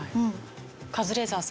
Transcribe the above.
カズレーザーさん。